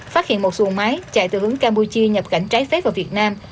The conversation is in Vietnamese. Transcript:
phát hiện một xuồng máy chạy từ hướng campuchia nhập cảnh trái phép vào việt nam